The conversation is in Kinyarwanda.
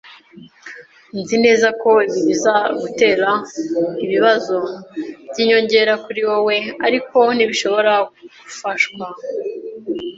Nzi neza ko ibi bizagutera ibibazo byinyongera kuri wewe, ariko ntibishobora gufashwa.